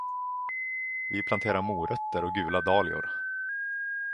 Vi planterar morötter och gula dahlior.